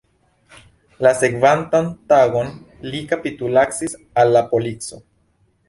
La sekvantan tagon li kapitulacis al la polico.